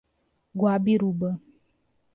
Guabiruba